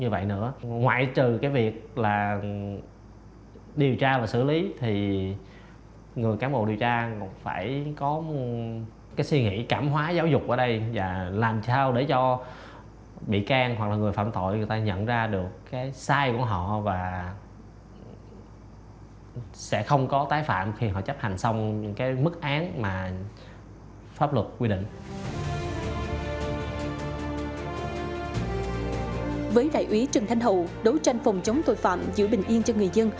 với đại úy trần thanh hậu đấu tranh phòng chống tội phạm giữ bình yên cho người dân